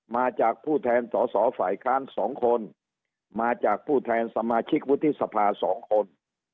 มาจากผู้แทนสอสอฝ่ายค้าน๒คนมาจากผู้แทนสมาชิกวุฒิสภา๒คน